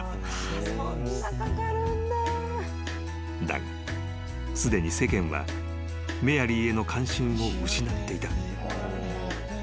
［だがすでに世間はメアリーへの関心を失っていた］